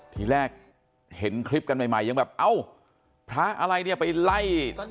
ทีแรกเห็นคลิปกันใหม่ยังแบบเอ้าพระอะไรเนี่ยไปไล่